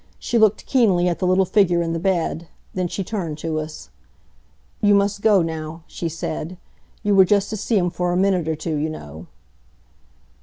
She looked keenly at the little figure in the bed. Then she turned to us. "You must go now," she said. "You were just to see him for a minute or two, you know."